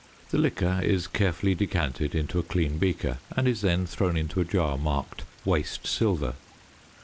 The liquor is carefully decanted into a clean beaker and is then thrown into a jar marked "waste silver."